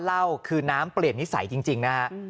เหล้าคือน้ำเปลี่ยนนิสัยจริงนะฮะ